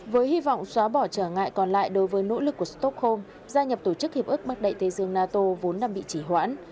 với hy vọng xóa bỏ trở ngại còn lại đối với nỗ lực của stockholm gia nhập tổ chức hiệp ước mắc đẩy thế giới nato vốn đang bị chỉ hoãn